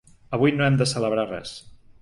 Avui no hem de celebrar res.